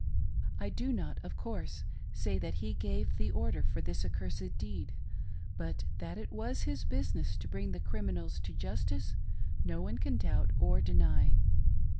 I do not, of course, say that he gave the order for this accursed deed, but that it was his business to bring the criminals to justice no one can doiibt or deny.